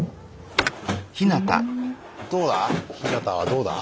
どうだ？